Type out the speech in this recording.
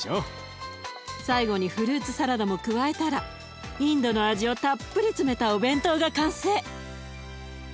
最後にフルーツサラダも加えたらインドの味をたっぷり詰めたお弁当が完成！